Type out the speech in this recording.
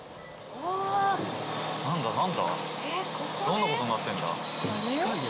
どんなことになってんだ？